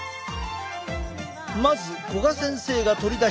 まず古閑先生が取り出したのが。